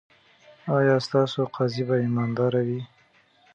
ایا ستاسو قاضي به ایماندار وي؟